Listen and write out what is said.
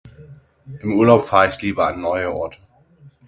Im Urlaub fahr ich lieber an neue Orte.